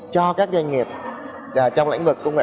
cho các doanh nghiệp trong lãnh vực công nghệ thông tin chuyển sách